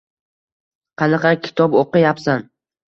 Qanaqa kitob oʻqiyapsan?